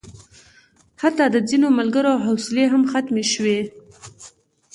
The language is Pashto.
حتی د ځینو ملګرو حوصلې هم ختمې شوې.